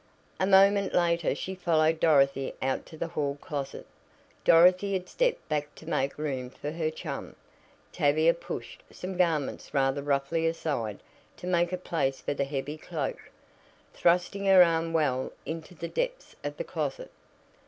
A moment later she followed Dorothy out to the hall closet. Dorothy had stepped back to make room for her chum. Tavia pushed some garments rather roughly aside to make a place for the heavy cloak, thrusting her arm well into the depths of the closet.